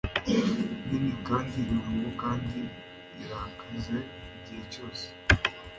nini kandi irungu kandi irakaze igihe cyose